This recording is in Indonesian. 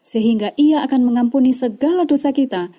sehingga ia akan mengampuni segala dosa kita